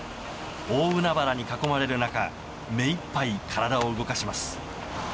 大海原に囲まれる中めいっぱい体を動かします。